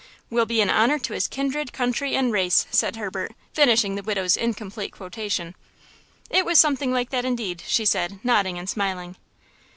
"'–Will be an honor to his kindred, country and race!'" said Herbert, finishing the widow's incomplete quotation. "It was something like that, indeed," she said, nodding and smiling.